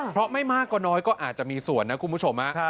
เพราะไม่มากก็น้อยก็อาจจะมีส่วนนะคุณผู้ชม